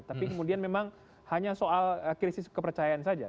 tapi kemudian memang hanya soal krisis kepercayaan saja